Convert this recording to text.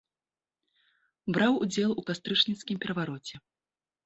Браў удзел у кастрычніцкім перавароце.